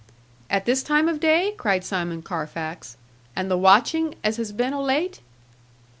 'At this time of day!' cried Simon Carfax; 'and the watching as has been o' late!'